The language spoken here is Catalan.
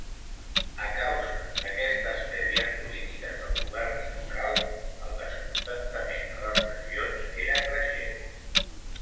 A causa d'aquestes tèbies polítiques del govern central, el descontentament a les regions era creixent.